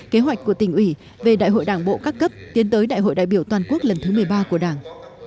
kế hoạch của tỉnh ủy về đại hội đảng bộ các cấp tiến tới đại hội đại biểu toàn quốc lần thứ một mươi ba của đảng